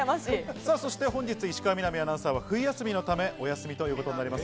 そして本日、石川みなみアナウンサーは冬休みのためお休みということになります。